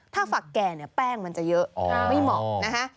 ถ้าฝักแก่เนี่ยแป้งมันจะเยอะไม่เหมาะนะคะ